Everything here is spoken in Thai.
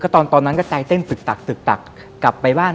ตอนนั้นก็ใจเต้นตึกตักตึกตักกลับไปบ้าน